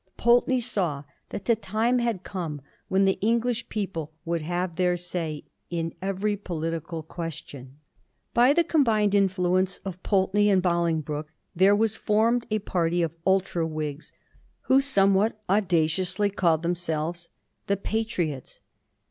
Pulteney saw that the time had come when the English people would have their say in •every political question. By the combined influence of Pulteney and Bolingbroke, there was formed a party of ultra Whigs, who, somewhat audaciously, called them selves * The Patriots.'